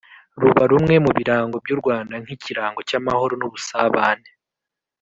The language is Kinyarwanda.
ruba rumwe mu birango by’u Rwanda nk’ikirango cy’amahoro n’ubusabane.